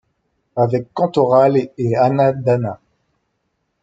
Avec Cantoral et Ana D'Ana.